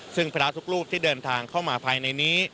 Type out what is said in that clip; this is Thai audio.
ซึ่งพระทุกรูปที่เดินทางเข้ามาภายในนี้